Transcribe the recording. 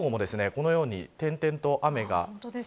このように点々と雨が。